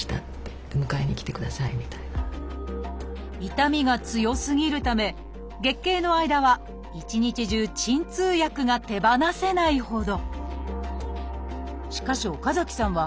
痛みが強すぎるため月経の間は一日中鎮痛薬が手放せないほど。